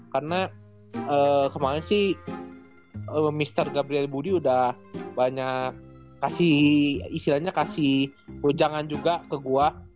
karena kemarin sih mr gabriel budi udah banyak kasih istilahnya kasih ujangan juga ke gue